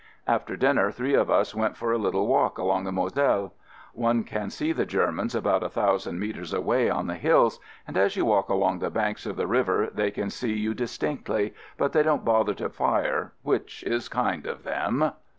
After dinner three of us went for a little walk along the Moselle. One can see the Germans about a thousand metres away on the hills, and as you walk along the banks of the river they can see you distinctly, but they don't bother to fire, which is kind of them